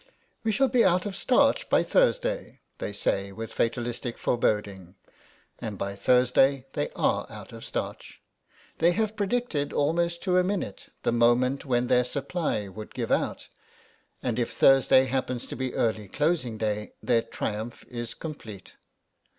"We shall be out of starch by Thursday," they say with fatalistic fore boding, and by Thursday they are out of starch. They have predicted almost to a 25 26 THE SEX THAT DOESNT SHOP minute the moment when their supply would give out and if Thursday happens to be early closing day their triumph is complete.